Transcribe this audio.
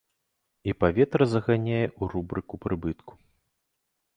І паветра заганяе ў рубрыку прыбытку.